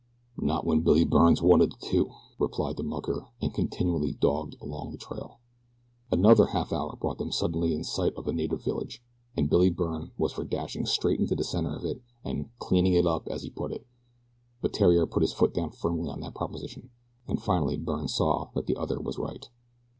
"Not wen Billy Byrne's one of de two," replied the mucker, and continued doggedly along the trail. Another half hour brought them suddenly in sight of a native village, and Billy Byrne was for dashing straight into the center of it and "cleaning it up," as he put it, but Theriere put his foot down firmly on that proposition, and finally Byrne saw that the other was right.